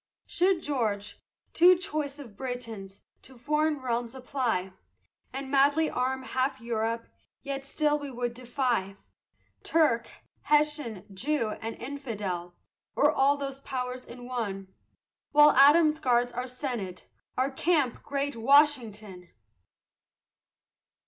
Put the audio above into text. Should George, too choice of Britons, to foreign realms apply, And madly arm half Europe, yet still we would defy Turk, Hessian, Jew, and Infidel, or all those powers in one, While Adams guards our senate, our camp great Washington!